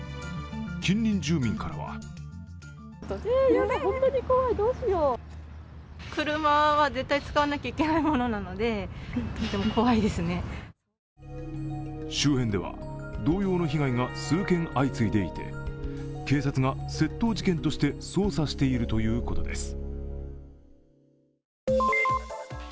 近隣住民からは周辺では同様の被害が数件相次いでいて、警察が、窃盗事件として捜査しているということです。